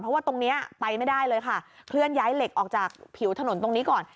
เพราะว่าตรงนี้ไปไม่ได้เลยค่ะเคลื่อนย้ายเหล็กออกจากผิวถนนตรงนี้ก่อน